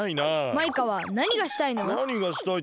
マイカはなにがしたいの？